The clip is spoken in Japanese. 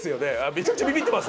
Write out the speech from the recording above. めちゃくちゃビビってますね。